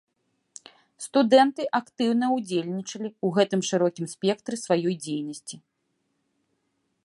Студэнты актыўна ўдзельнічалі ў гэтым шырокім спектры сваёй дзейнасці.